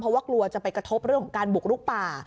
เพราะว่ากลัวจะไปกระทบเรื่องของการบุกลุกป่า